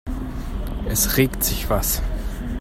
Es regt sich was.